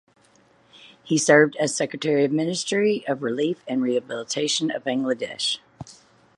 He served as Secretary of Ministry of Relief and Rehabilitation of Bangladesh.